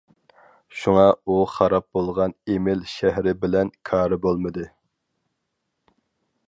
شۇڭا ئۇ خاراب بولغان ئېمىل شەھىرى بىلەن كارى بولمىدى.